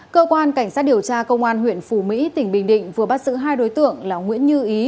cơ quan cảnh sát điều tra công an huyện phù mỹ tỉnh bình định vừa bắt giữ hai đối tượng là nguyễn như ý